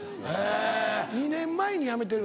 ２年前に辞めてる？